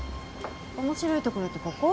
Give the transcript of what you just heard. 面白い所ってここ？